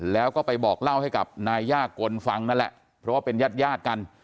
แล้วก็ไปบอกเล่าให้กับนายย่ากลฟังนั่นแหละเพราะว่าเป็นญาติญาติกัน